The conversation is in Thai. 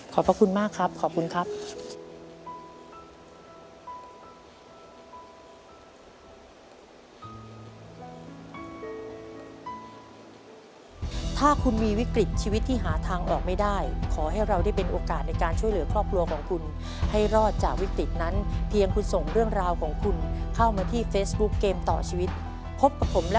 พระคุณมากครับขอบคุณครับ